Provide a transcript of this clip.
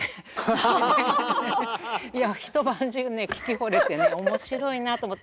いや一晩中ね聴きほれてね面白いなと思って。